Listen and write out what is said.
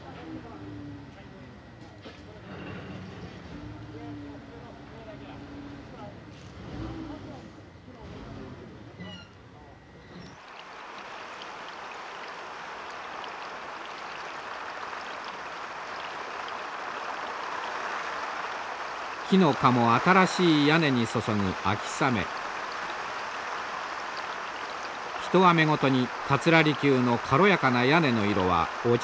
一雨ごとに桂離宮の軽やかな屋根の色は落ち着きを増していきます。